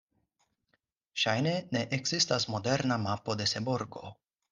Ŝajne ne ekzistas moderna mapo de Seborgo.